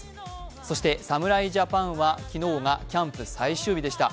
そして侍ジャパンは昨日がキャンプ最終日でした。